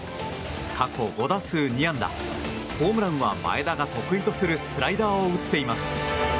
過去５打数２安打ホームランは前田が得意とするスライダーを打っています。